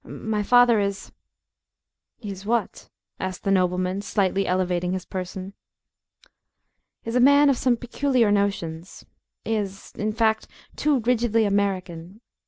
"My father is" "Is what?" asked the nobleman, slightly elevating his person. "Is a man of some peculiar notions. Is, in fact, too rigidly American.